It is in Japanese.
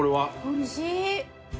おいしい。